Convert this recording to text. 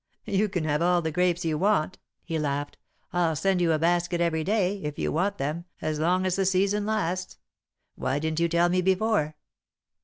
"You can have all the grapes you want," he laughed. "I'll send you a basket every day, if you want them, as long as the season lasts. Why didn't you tell me before?"